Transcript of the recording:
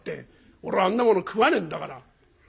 俺あんなもの食わねえんだから。